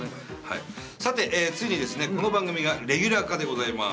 さて、ついにこの番組がレギュラー化でございます。